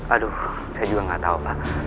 aduh saya juga nggak tahu pak